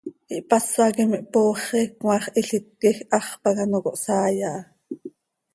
Ihpásaquim ihpooxi, cmaax hilít quij hax pac ano cohsaai aha.